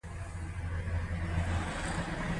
فصل پوره باراني اوبه څښلې وې.